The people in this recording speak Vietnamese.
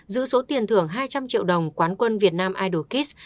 giữ số tiền thưởng hai trăm linh triệu đồng quán quân việt nam idol kids